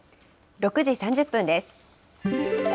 ６時３０分です。